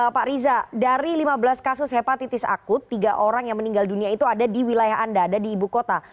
pak riza dari lima belas kasus hepatitis akut tiga orang yang meninggal dunia itu ada di wilayah anda ada di ibu kota